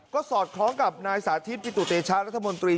ก็สอดคล้องกับนายสาธิตปิตุเตชะรัฐมนตรี